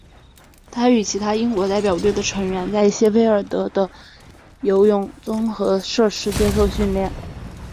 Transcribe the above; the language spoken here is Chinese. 他与其他英国代表队的成员在谢菲尔德的的游泳综合设施接受训练。